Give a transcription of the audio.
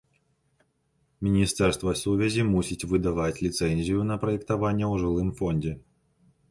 Міністэрства сувязі мусіць выдаваць ліцэнзію на праектаванне ў жылым фондзе.